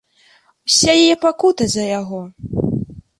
Уся яе пакута за яго!